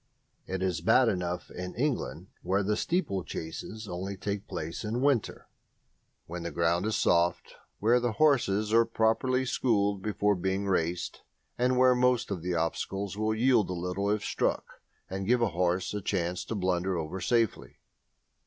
It is bad enough in England, where steeplechases only take place in winter, when the ground is soft, where the horses are properly schooled before being raced, and where most of the obstacles will yield a little if struck and give the horse a chance to blunder over safely.